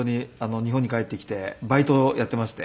日本に帰ってきてバイトをやっていまして。